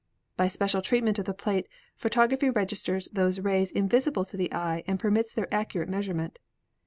By special treatment of the plate photography registers those rays invisible to the eye and permits their accurate measurement.